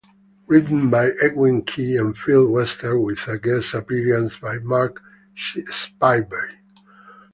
Written by cEvin Key and Phil Western with a guest appearance by Mark Spybey.